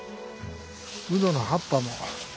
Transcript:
ウドの葉っぱも。